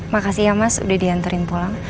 makasih ya mas udah diantarin pulang